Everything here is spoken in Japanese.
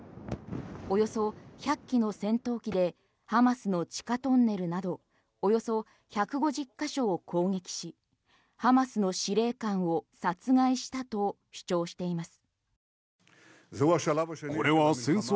およそ１００機の戦闘機でハマスの地下トンネルなどおよそ１５０ヶ所を攻撃しハマスの司令官を殺害したと主張しています。